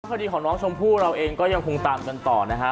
คดีของน้องชมพู่เราเองก็ยังคงตามกันต่อนะฮะ